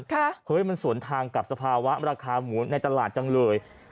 เฮ้ยมันสวนทางกับสภาวะราคาหมูในตลาดจังเลย